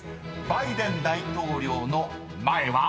［「バイデン」大統領の前は］